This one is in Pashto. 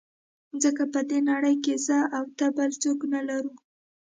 ځکه په دې نړۍ کې زه او ته بل هېڅوک نه لرو.